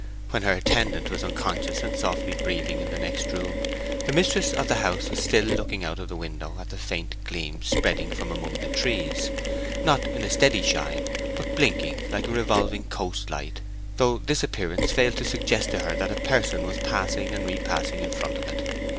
When her attendant was unconscious and softly breathing in the next room, the mistress of the house was still looking out of the window at the faint gleam spreading from among the trees—not in a steady shine, but blinking like a revolving coast light, though this appearance failed to suggest to her that a person was passing and repassing in front of it.